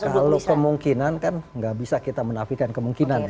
kalau kemungkinan kan tidak bisa kita menafikan kemungkinannya